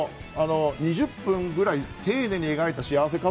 ２０分ぐらい丁寧に書いたシーン。